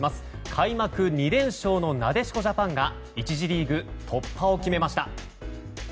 開幕２連勝のなでしこジャパンが１次リーグ突破を決めました。